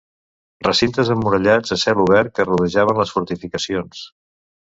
Recintes emmurallats a cel obert que rodejaven les fortificacions.